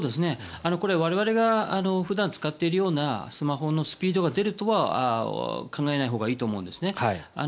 これは我々が普段使っているようなスマホのスピードが出るとは考えないほうがいいと思うんですね。